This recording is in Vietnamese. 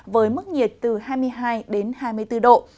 với mức nhiệt từ hai mươi hai đến hai mươi bốn độ